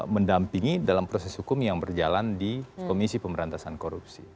mendampingi dalam proses hukum yang berjalan di komisi pemberantasan korupsi